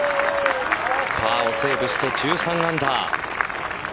パーをセーブして１３アンダー。